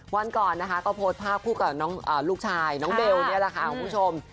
วันก่อนนะคะก็โพสต์ภาพคู่กับลูกชายน้องเบลนี่แหละค่ะคุณผู้ชม